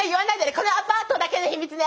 このアパートだけの秘密ね。